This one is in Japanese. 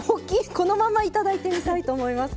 このまま頂いてみたいと思います。